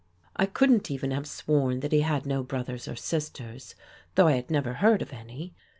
I couldn't even have sworn that he had no brothers or sisters, though I had never heard of any.